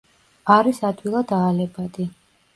არის ადვილად აალებადი.